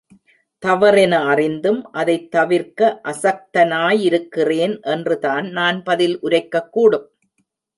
தவறென அறிந்தும் அதைத் தவிர்க்க அசக்தனாயிருக்கிறேன் என்றுதான் நான் பதில் உரைக்கக்கூடும்.